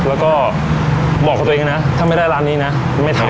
แล้วก็บอกกับตัวเองด้วยนะถ้าไม่ได้ร้านนี้นะไม่ทำ